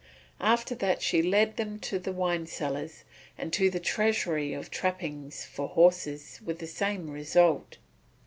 After that she led them to the wine cellars and to the treasury of trappings for horses with the same result.